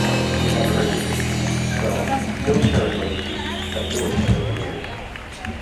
They have a rigidly fused skull, no pterygoid teeth, and no external ears.